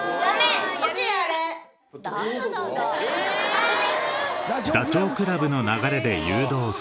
はい。